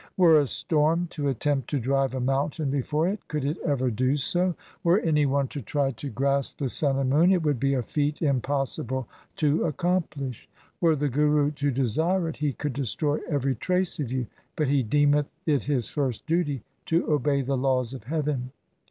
Were a storm to attempt to drive a mountain before it, could it ever do so ? Were any one to try to 196 THE SIKH RELIGION grasp the sun and moon, it would be a feat im possible to accomplish. Were the Guru to desire it, he could destroy every trace of you, but he deemeth it his first duty to obey the laws of heaven.